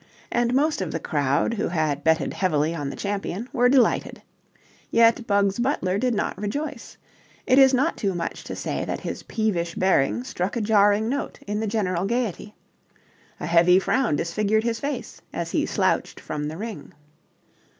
And most of the crowd, who had betted heavily on the champion, were delighted. Yet Bugs Butler did not rejoice. It is not too much to say that his peevish bearing struck a jarring note in the general gaiety. A heavy frown disfigured his face as he slouched from the ring.